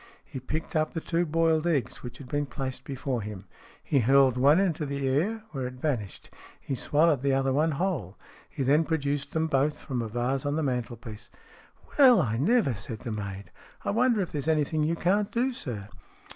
He picked up the two boiled eggs which had been placed before him. He hurled one into the air, where it vanished. He swallowed the other one whole. He then produced them both from a vase on the mantelpiece. " Well, I never !" said the maid. " I wonder if there's anything you can't do, sir